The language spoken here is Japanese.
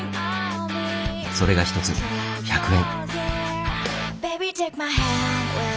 それが一つ１００円。